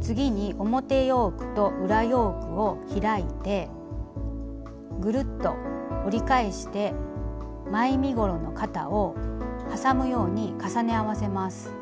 次に表ヨークと裏ヨークを開いてぐるっと折り返して前身ごろの肩を挟むように重ね合わせます。